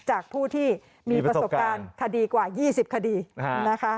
จากผู้ที่มีประสบการณ์คดีกว่า๒๐คดีนะคะ